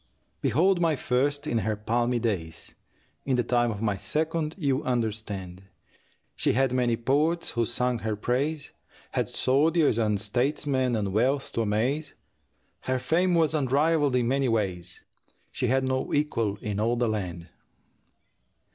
Behold my first! In her palmy days (In the time of my second, you understand) She had many poets who sang her praise, Had soldiers and statesmen and wealth to amaze, Her fame was unrivalled in many ways She had no equal in all the land.